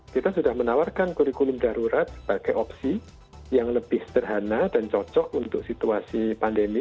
kita sudah menawarkan kurikulum darurat sebagai opsi yang lebih sederhana dan cocok untuk situasi pandemi